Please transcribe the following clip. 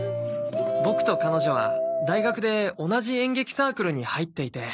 ボクと彼女は大学で同じ演劇サークルに入っていて。